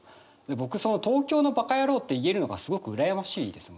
僕「東京のバカヤロー」って言えるのがすごく羨ましいですね。